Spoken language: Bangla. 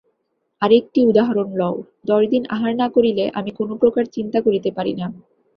আর একটি উদাহরণ লও দশদিন আহার না করিলে আমি কোনপ্রকার চিন্তা করিতে পারি না।